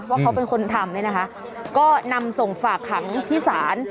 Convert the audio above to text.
ว่าเขาเป็นคนทำเนี่ยนะคะก็นำส่งฝากขังที่ศาล